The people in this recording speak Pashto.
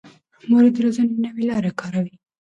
مور یې د روزنې نوې لارې کاروي.